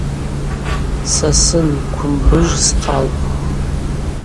Сасын Квымбыжв схъалтӏ.